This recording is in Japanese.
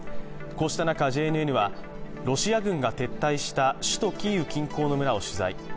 こうした中、ＪＮＮはロシア軍が撤退した首都キーウ近郊の村を取材。